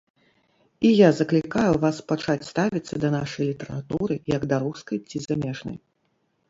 І я заклікаю вас пачаць ставіцца да нашай літаратуры, як да рускай ці замежнай.